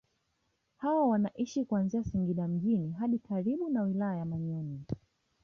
Hao wanaishi kuanzia Singida mjini hadi karibu na wilaya ya Manyoni